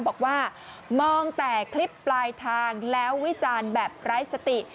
บอกว่ามองแต่คลิปปลายทางแล้ววิจารณ์แบบไร้สติ